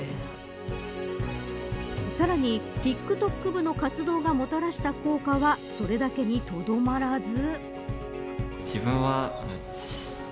さらにＴｉｋＴｏｋＢＵの活動がもたらした効果はそれだけにとどまらず。